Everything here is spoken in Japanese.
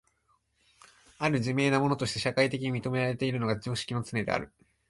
或る自明なものとして社会的に認められているのが常識のつねである。